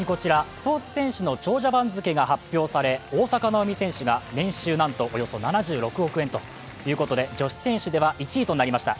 スポーツ選手の長者番付が発表され大坂なおみ選手が年収なんとおよそ７６億円ということで女子選手では１位となりました。